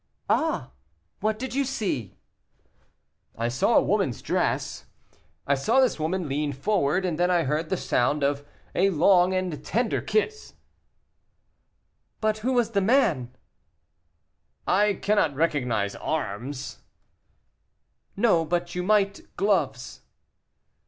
"Ah! What did you see?" "I saw a woman's dress; I saw this woman lean forward, and then I heard the sound of along and tender kiss." "But who was the man?" "I cannot recognize arms." "No, but you might gloves."